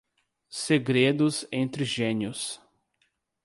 Segredos entre gênios